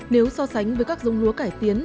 nếu so sánh với các giống lúa cải tiến